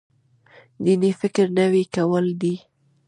دیني فکر نوی کول دی.